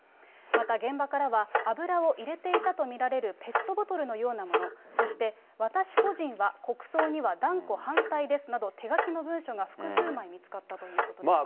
また現場からは油を入れていたと見られるペットボトルのようなもの、そして、私個人は国葬には断固反対ですなど、手書きの文書が複数枚見つかったということです。